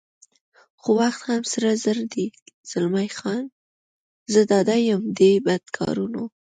خو وخت هم سره زر دی، زلمی خان: زه ډاډه یم دې بدکارانو.